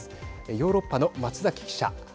ヨーロッパの松崎記者。